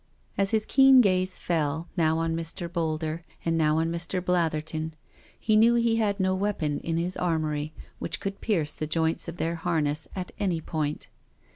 As his keen gaze fell, now on Mr. Boulder, and now on Mr. Blatherton, he knew he had no weapon in his armoury which could pierce the joints of their harness at any point.